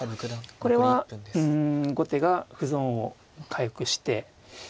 これは後手が歩損を回復してえま